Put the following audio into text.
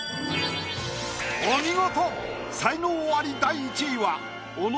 お見事！